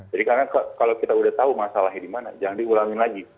jadi karena kalau kita sudah tahu masalahnya di mana jangan diulangin lagi